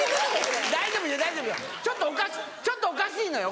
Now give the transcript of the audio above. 大丈夫よ大丈夫よちょっとおかしいのよ